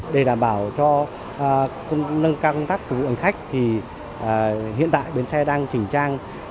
để đảm bảo cho nâng cao công tác phục vụ hành khách thì hiện tại bến xe đang chỉnh trang